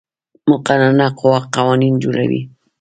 مقننه قوه قوانین جوړوي